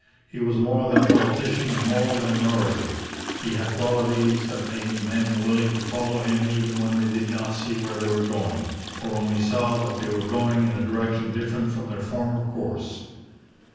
He was more than a politician and more than an orator. He had qualities that made men willing to follow him even when they did not see where they were going, or only saw that they were going in a direction different from their former course.